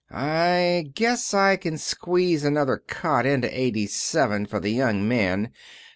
I guess I can squeeze another cot into eighty seven for the young man.